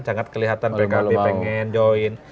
sangat kelihatan pkb pengen join